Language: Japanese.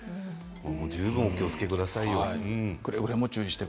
十分お気をつけください。